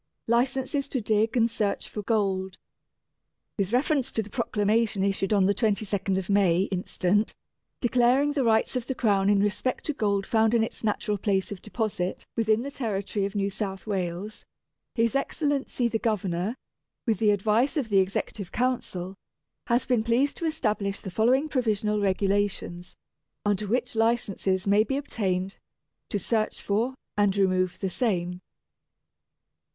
Licenses to Dig and Search for Gold. With reference to the Proclamation issued on the 22nd May instant, declaring the rights of the Crown in respect to Gold found in its natural place of deposit within the territory of New South Wales, His Excellency the Governor, with the advice of the Executive Council, has been pleased to establish the following Provisional Regulations, under which Licenses may be obtained, to search for, and remove the same: 1.